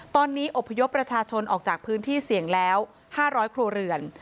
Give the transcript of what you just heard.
ตอนนี้อบพยพประชาชนออกจากพื้นที่เสี่ยงแล้ว๕๐๐ครัวเรือน